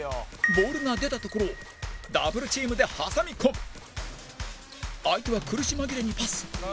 ボールが出たところをダブルチームで挟み込む相手は苦し紛れにパス